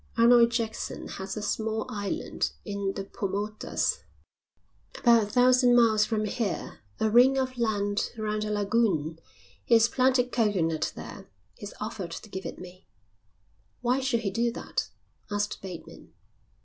Arnold Jackson has a small island in the Paumotas, about a thousand miles from here, a ring of land round a lagoon. He's planted coconut there. He's offered to give it me." "Why should he do that?" asked Bateman.